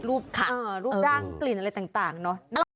รูปร่างกลิ่นอะไรต่างเนอะ